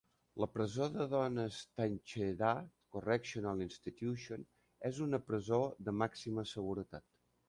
La presó de dones Taycheedah Correctional Institution és una presó de màxima seguretat.